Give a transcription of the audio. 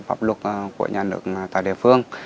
pháp luật của nhà nước tại địa phương